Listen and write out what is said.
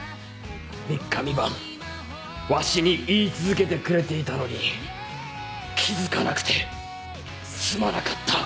三日三晩わしに言い続けてくれていたのに気付かなくてすまなかった。